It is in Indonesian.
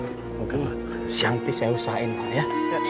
semoga sianti saya usahain pak ya